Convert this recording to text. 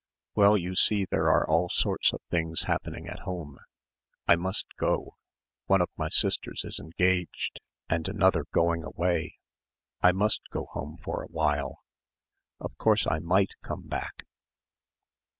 "Well, you see there are all sorts of things happening at home. I must go. One of my sisters is engaged and another going away. I must go home for a while. Of course I might come back."